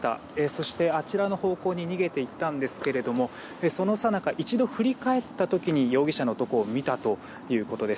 そして、あちらの方向に逃げていったんですけどもそのさなか、一度振り返った時に容疑者の男を見たということなんです。